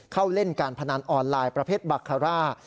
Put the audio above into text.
เล่นการพนันออนไลน์ประเภทบาคาร่า